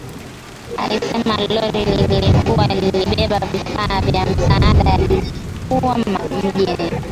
Alisema lori lililokuwa limebeba vifaa vya msaada lilikuwa njiani